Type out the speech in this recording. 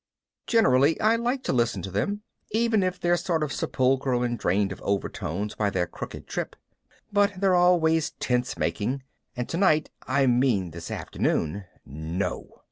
Generally I like to listen to them, even if they're sort of sepulchral and drained of overtones by their crooked trip. But they're always tense making. And tonight (I mean this afternoon) no!